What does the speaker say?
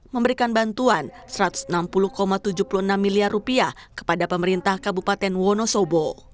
memberikan bantuan rp satu ratus enam puluh tujuh puluh enam miliar kepada pemerintah kabupaten wonosobo